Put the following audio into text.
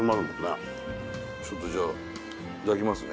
ちょっとじゃあいただきますね。